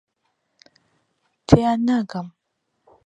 تێیان ناگەم.